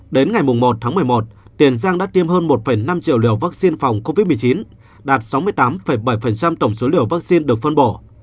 đến ngày một tháng một mươi một tiền giang đã tiêm hơn một năm triệu liều vaccine phòng covid một mươi chín đạt sáu mươi tám bảy tổng số liều vaccine được phân bổ